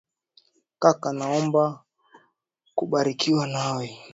Kaka naomba, kubarikiwa nawe.